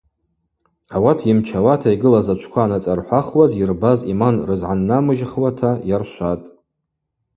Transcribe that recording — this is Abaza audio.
Ауат йымчауата йгылаз ачвква анацӏархӏвахуаз йырбаз иман рызгӏаннамыжьхуата йаршватӏ.